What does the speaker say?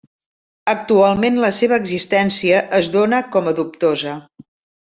Actualment la seva existència es dóna com a dubtosa.